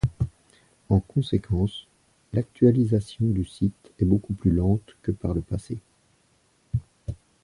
En conséquence, l'actualisation du site est beaucoup plus lente que par le passé.